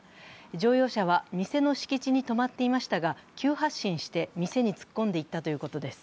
乗用車は店の敷地に止まっていましたが、急発進して店に突っ込んでいったということです。